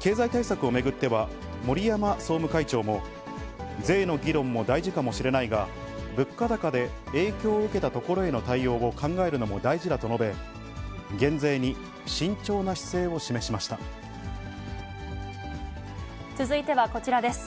経済対策を巡っては森山総務会長も、税の議論も大事かもしれないが、物価高で影響を受けたところへの対応を考えるのも大事だと述べ、続いてはこちらです。